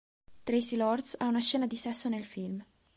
Traci Lords ha una scena di sesso nel film.